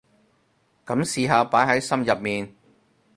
噉試下擺喺心入面